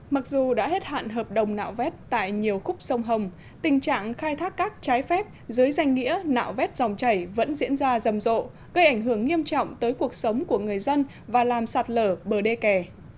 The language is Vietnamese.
mặc dù đã hết hạn hợp đồng nạo vét tại nhiều khúc sông hồng tình trạng khai thác cát trái phép dưới danh nghĩa nạo vét dòng chảy vẫn diễn ra rầm rộ gây ảnh hưởng nghiêm trọng tới cuộc sống của người dân và làm sạt lở bờ đê kè